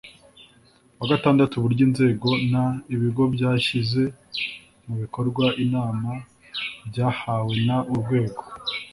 wa gatandatu Uburyo inzego n ibigo byashyize mu bikorwa inama byahawe n Urwego